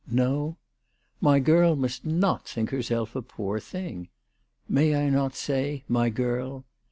" No ?"" My girl must not think herself a poor thing. May I not say, my girl?